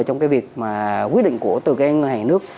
trong cái việc mà quyết định của từ cái ngân hàng nước